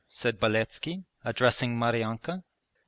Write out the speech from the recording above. said Beletski, addressing Maryanka.